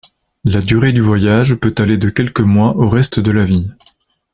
La durée du voyage peut aller de quelques mois au reste de la vie.